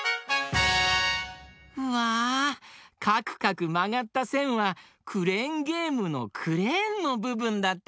うわかくかくまがったせんはクレーンゲームのクレーンのぶぶんだったのか！